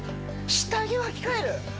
下着をはき替える？